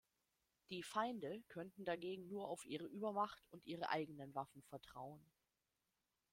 Die Feinde könnten dagegen nur auf ihre Übermacht und ihre eigenen Waffen vertrauen.